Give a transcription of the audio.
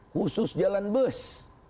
khusus jalan bus